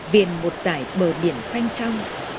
viền một dài bờ biển xanh trong